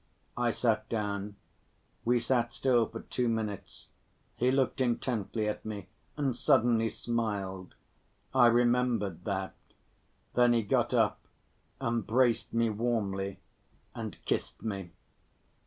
I sat down. We sat still for two minutes; he looked intently at me and suddenly smiled—I remembered that—then he got up, embraced me warmly and kissed me.